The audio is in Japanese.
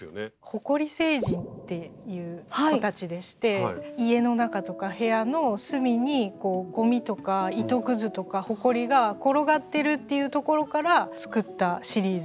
「埃星人」っていう子たちでして家の中とか部屋の隅にゴミとか糸くずとかほこりが転がってるっていうところから作ったシリーズです。